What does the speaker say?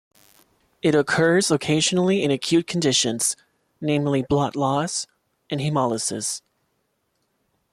It occurs occasionally in acute conditions, namely blood loss and hemolysis.